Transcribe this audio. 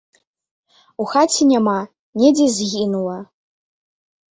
У хаце няма, недзе згінула.